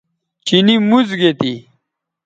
چینی موڅ گے تھی